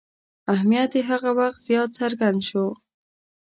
اهمیت یې هغه وخت زیات څرګند شو.